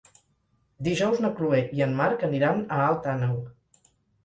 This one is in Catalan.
Dijous na Chloé i en Marc aniran a Alt Àneu.